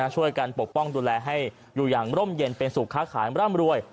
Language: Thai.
ปกป้องดูแลให้อยู่อย่างร่มเย็นเป็นสุขค้าขายร่ำรวย